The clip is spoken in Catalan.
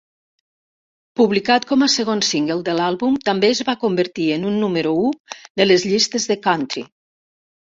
Publicat com a segon single de l'àlbum, també es va convertir en un número u de les llistes de country.